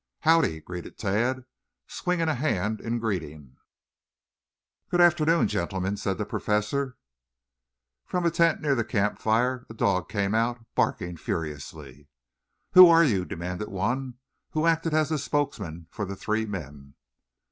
"Howdy!" greeted Tad, swinging a hand in greeting. "Good afternoon, gentlemen," said the Professor. From a tent near the campfire a dog came out, barking furiously. "Who are you?" demanded one, who acted as spokesman for the three men.